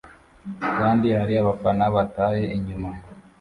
kandi hari abafana bataye inyuma